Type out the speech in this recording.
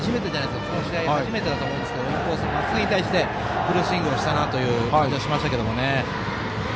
この試合初めてだと思うんですけどインコースのまっすぐに対してフルスイングをしたなという感じはしましたけどね。